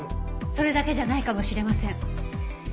それだけじゃないかもしれません。